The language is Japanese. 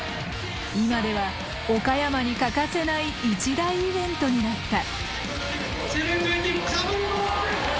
今では岡山に欠かせない一大イベントになった。